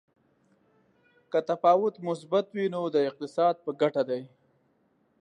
که تفاوت مثبت وي نو د اقتصاد په ګټه دی.